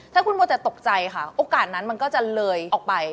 ถ้าคุณโมจะตกใจค่ะโอกาสนั้นมันก็จะเลยออกไป